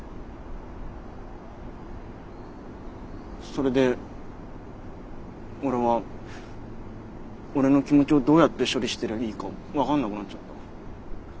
それで俺は俺の気持ちをどうやって処理したらいいか分かんなくなっちゃった。